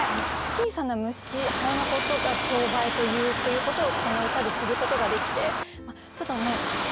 小さな虫ハエのことがチョウバエというということをこの歌で知ることができてちょっとね